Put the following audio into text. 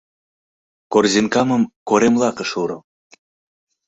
Корзинкамым корем лакыш уро.